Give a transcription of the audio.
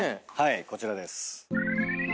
こちらです。